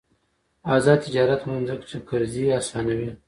آزاد تجارت مهم دی ځکه چې قرضې اسانوي.